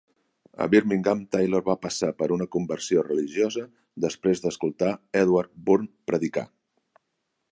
A Birmingham, Taylor va passar per una conversió religiosa després d'escoltar Edward Burn predicar.